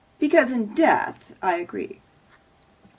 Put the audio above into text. "Because in death I agree."